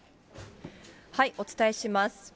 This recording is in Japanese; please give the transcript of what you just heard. お伝えします。